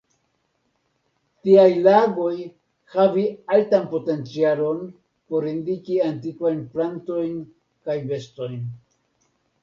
Tiaj lagoj havi altan potencialon por indiki antikvajn plantojn kaj bestojn.